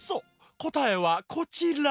こたえはこちら！